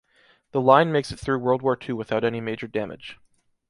The line makes it through World War II without any major damage.